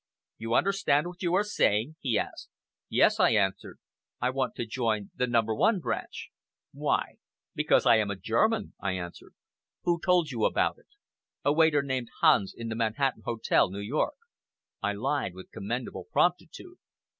"You understand what you are saying?" he asked. "Yes!" I answered. "I want to join the No. 1 Branch." "Why?" "Because I am a German," I answered. "Who told you about it?" "A waiter named Hans in the Manhattan Hotel, New York." I lied with commendable promptitude.